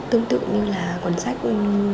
tương tự như là cuốn sách của mình